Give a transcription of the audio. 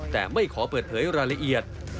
แต่ไม่ขอเปิดเผยรายละเอียด